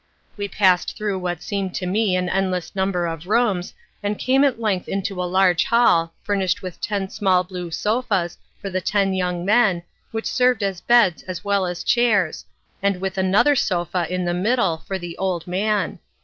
We passed through what seemed to me an endless number of rooms, and came at length into a large hall, furnished with ten small blue sofas for the ten young men, which served as beds as well as chairs, and with another sofa in the middle for the old man.